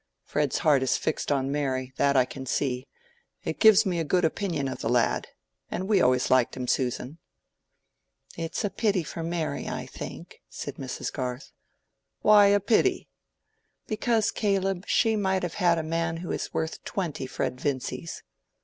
Fred's heart is fixed on Mary, that I can see: it gives me a good opinion of the lad—and we always liked him, Susan." "It is a pity for Mary, I think," said Mrs. Garth. "Why—a pity?" "Because, Caleb, she might have had a man who is worth twenty Fred Vincy's."